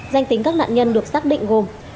danh tính các nạn nhân được xác định gồm